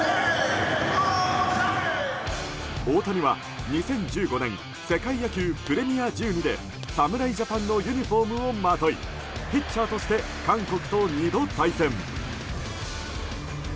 大谷は２０１５年世界野球プレミア１２で侍ジャパンのユニホームをまといピッチャーとして韓国と２度対戦。